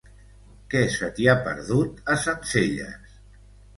Què se t'hi ha perdut, a Sencelles?